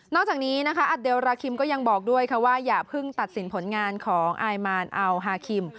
จากนี้นะคะอัดเดลราคิมก็ยังบอกด้วยค่ะว่าอย่าเพิ่งตัดสินผลงานของอายมานอัลฮาคิม